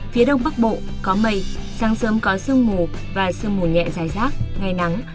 phía đông bắc bộ có mây sáng sớm có sương mù và sương mù nhẹ dài rác ngày nắng